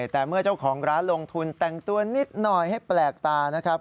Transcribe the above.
แต่เมื่อเจ้าของร้านลงทุนแต่งตัวนิดหน่อยให้แปลกตานะครับ